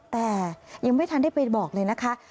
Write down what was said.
แต่ยังไม่ทันได้ไปบอกเลยนะคะ